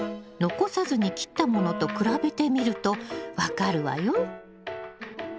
残さずに切ったものと比べてみると分かるわよ。